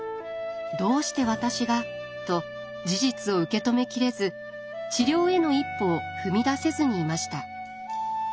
「どうして私が」と事実を受け止めきれず治療への一歩を踏み出せずにいました。